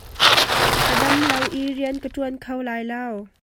Ka dam lo i rian ka tuan kho lai lo.